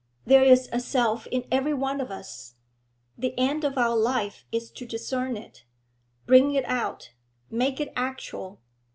There is a self in every one of us; the end of our life is to discern it, bring it out, make it actual.